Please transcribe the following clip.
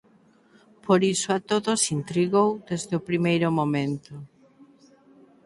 Por iso a todos intrigou desde o primeiro momento.